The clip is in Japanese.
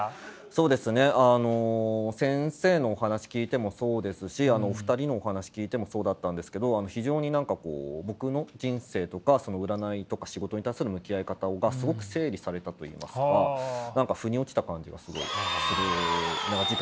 そうですねあの先生のお話聞いてもそうですしお二人のお話聞いてもそうだったんですけど非常に何かこう僕の人生とか占いとか仕事に対する向き合い方がすごく整理されたといいますか何かふに落ちた感じがすごいする時間だったなと思います。